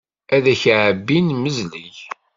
Ad ak-ɛebbin, mezleg.